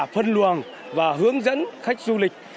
phân luồng và hướng dẫn khách du lịch